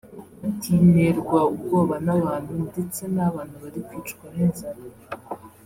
Ati”Nterwa ubwoba n’abantu ndetse n’abana bari kwicwa n’inzara